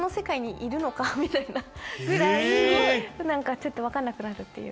みたいなぐらいちょっと分かんなくなるっていう。